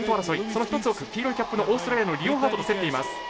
その１つ奥、黄色いキャップのオーストラリアのリオンハートと競っています。